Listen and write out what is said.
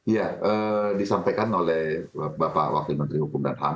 ya disampaikan oleh bapak wakil menteri hukum dan ham